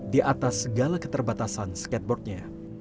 di atas segala keterbatasan skateboardnya